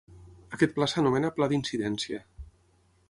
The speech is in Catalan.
Aquest pla s'anomena pla d'incidència.